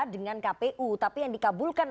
dengan kpu tapi yang dikabulkan